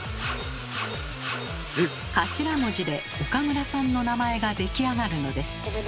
頭文字で岡村さんの名前が出来上がるのです。